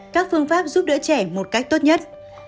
các phương pháp giúp đỡ trẻ một cách tốt nhất